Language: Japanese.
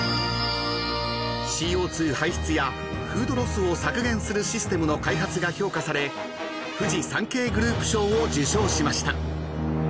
［ＣＯ２排出やフードロスを削減するシステムの開発が評価されフジサンケイグループ賞を受賞しました］